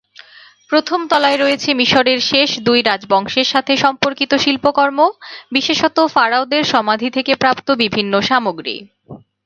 প্রথম তলায় রয়েছে মিশরের শেষ দুই রাজবংশের সাথে সম্পর্কিত শিল্পকর্ম বিশেষত ফারাওদের সমাধি থেকে প্রাপ্ত বিভিন্ন সামগ্রী।